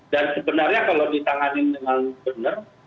dan sebenarnya kalau ditanganin dengan benar